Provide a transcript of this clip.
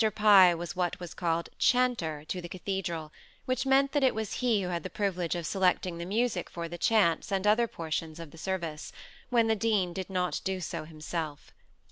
Pye was what was called "chanter" to the cathedral, which meant that it was he who had the privilege of selecting the music for the chants and other portions of the service, when the dean did not do so himself.